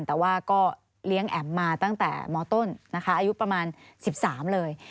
แต่ว่าก็เลี้ยงแอ๋มมาตั้งแต่มต้นนะคะอายุประมาณ๑๓เลย